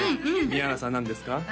宮原さん何ですか？